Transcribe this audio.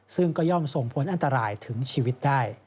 ซึ่งก็ย่อมส่งผลอันตรายถึงชีวิตได้